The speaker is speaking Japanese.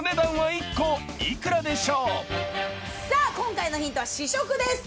さあ今回のヒントは試食です。